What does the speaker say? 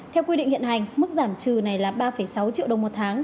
theo quy định hiện hành mức giảm trừ này là ba sáu triệu đồng một tháng